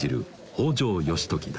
北条義時だ